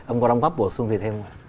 ông có đóng góp bổ sung gì thêm không ạ